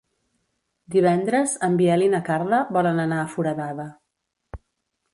Divendres en Biel i na Carla volen anar a Foradada.